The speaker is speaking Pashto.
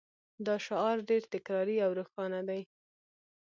دا شعار ډیر تکراري او روښانه دی